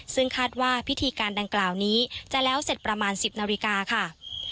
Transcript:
ซึ่งคาดว่าพิธีการดังกล่าวนี้จะแล้วเสร็จประมาณ๑๐นาฬิกาค่ะ